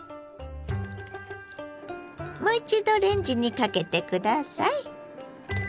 もう一度レンジにかけて下さい。